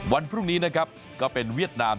วันพรุ่งนี้นะครับก็เป็นเวียดนาม